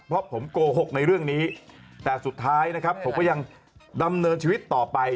เพราะผมโกหกในเรื่องนี้แต่สุดท้ายนะครับผมก็ยังดำเนินชีวิตต่อไป